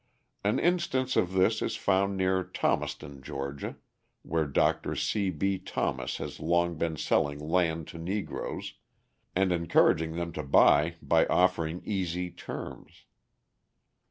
An instance of this is found near Thomaston, Ga., where Dr. C. B. Thomas has long been selling land to Negroes, and encouraging them to buy by offering easy terms.